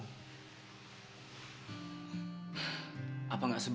kamu jangan bohong ya sama aku